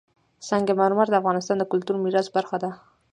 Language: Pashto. سنگ مرمر د افغانستان د کلتوري میراث برخه ده.